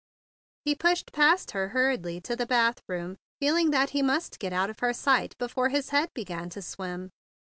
He pushed past her hurriedly to the bathroom, feeling that he must get out of her sight before his head began to swim.